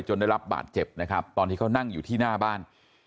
ได้รับบาดเจ็บนะครับตอนที่เขานั่งอยู่ที่หน้าบ้าน